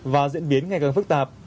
và diễn biến ngày càng phức tạp